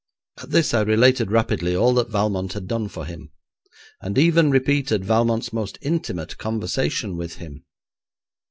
At this I related rapidly all that Valmont had done for him, and even repeated Valmont's most intimate conversation with him.